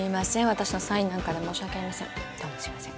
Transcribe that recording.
私のサインなんかで申し訳ありませんどうもすいません